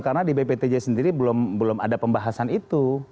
karena di bptj sendiri belum ada pembahasan itu